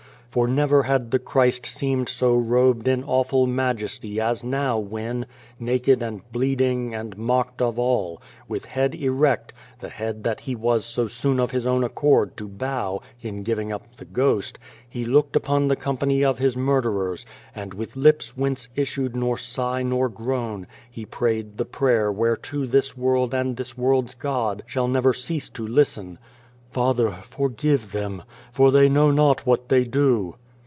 For never had the Christ seemed so robed in awful majesty as now when, naked and bleeding, and mocked of all, with head erect (the head that He was so soon of His own accord to bow, in giving up the ghost) He 146 Beyond the Door looked upon the company of His murderers, and with lips whence issued nor sigh nor groan, He prayed the prayer whereto this world and this world's God shall never cease to listen :" Father, forgive them, for they know not what they do."